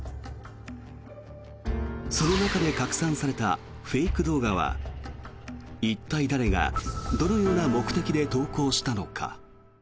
その中で拡散されたフェイク動画は一体誰がどのような目的で投稿したのか。